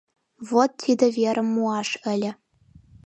Вот тиде верым муаш ыле!